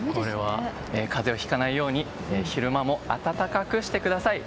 風邪をひかないように昼間も暖かくしてください。